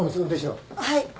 はい。